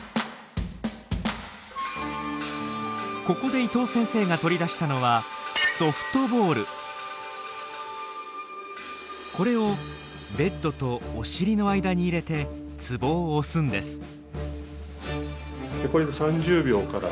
ここで伊藤先生が取り出したのはこれをベッドとお尻の間に入れてツボを押すんです。